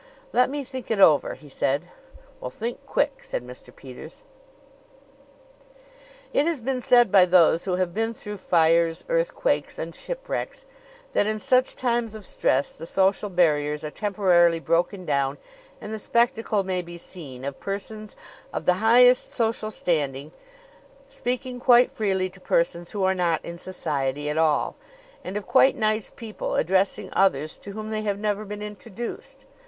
"Let me think it over," he said. "Well, think quick!" said Mr. Peters. It has been said by those who have been through fires, earthquakes and shipwrecks that in such times of stress the social barriers are temporarily broken down, and the spectacle may be seen of persons of the highest social standing speaking quite freely to persons who are not in society at all; and of quite nice people addressing others to whom they have never been introduced.